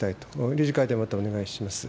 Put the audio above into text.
理事会でもまたお願いします。